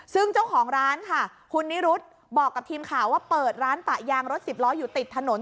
ซึ่งเจ้าของร้านค่ะคุณนิรุธบอกกับทีมข่าวว่าเปิดร้านปะยางรถสิบล้ออยู่ติดถนน